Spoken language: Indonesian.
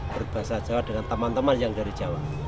berbahasa jawa dengan teman teman yang dari jawa